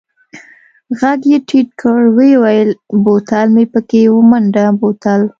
ږغ يې ټيټ کړ ويې ويل بوتل مې پکښې ومنډه بوتل.